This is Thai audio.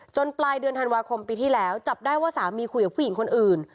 ปลายเดือนธันวาคมปีที่แล้วจับได้ว่าสามีคุยกับผู้หญิงคนอื่น